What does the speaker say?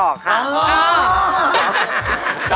มองคนหลอกครับอ๋อ